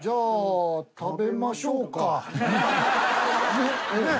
ねっ。